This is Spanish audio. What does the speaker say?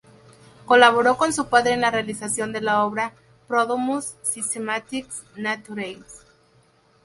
Colaboró con su padre en la realización de la obra "Prodromus systematis naturalis".